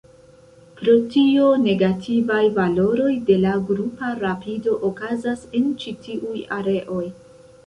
Pro tio, negativaj valoroj de la grupa rapido okazas en ĉi tiuj areoj.